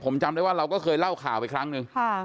ผมจำได้ว่าเราก็เคยเล่าข่าวไปครั้งหนึ่ง